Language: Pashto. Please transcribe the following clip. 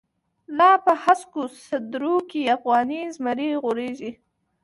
لاپه هسکوسردروکی، افغانی زمری غوریږی